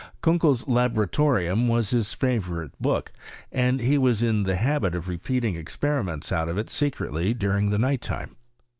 Kan kei's Laboratorium was his favourite book, and ll« was in the habit of repeating experiments o»t of it secretly during the night time.